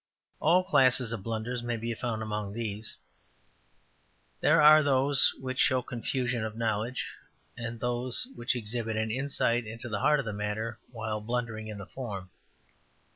All classes of blunders may be found among these. There are those which show confusion of knowledge, and those which exhibit an insight into the heart of the matter while blundering in the form.